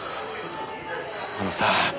あのさあ